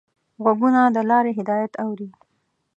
غوږونه د لارې هدایت اوري